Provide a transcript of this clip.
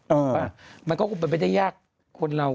เพราะว่ามันก็ไม่ได้ยากคนเรา